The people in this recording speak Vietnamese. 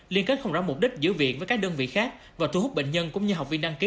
liên kết không rõ mục đích giữa viện với các đơn vị khác và thu hút bệnh nhân cũng như học viên đăng ký